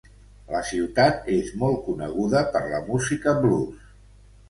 La ciutat és molt coneguda per la música blues.